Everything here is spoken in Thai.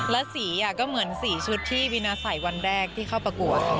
แล้วสีก็เหมือน๔ชุดที่วีนาใส่วันแรกที่เข้าประกวด